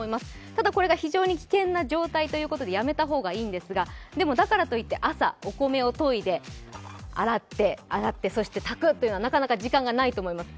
ただこれが非常に危険な状態ということで、やめた方がいいんですがでも、だからといって朝お米をといで、洗って、そして炊くというのはなかなか時間がないと思います。